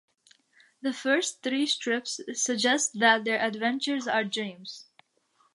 The first three strips suggest that their adventures are dreams.